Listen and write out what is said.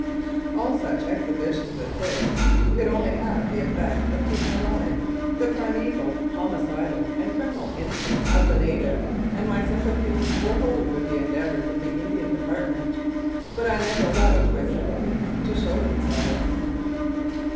All such exhibitions as this could only have the effect of keeping alive the primeval homicidal and 1898 1902. Lethbridge and Macleod criminal instincts of the native, and my sympathies were wholly with the endeavours of the Indian Depart ment, but I never allowed my sympathies to show themselves.